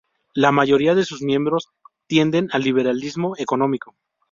La mayoría de sus miembros tienden al liberalismo económico.